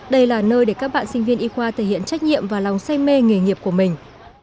đây là nơi để các bạn sinh viên y khoa thể hiện trách nhiệm và lòng say mê nghề nghiệp của mình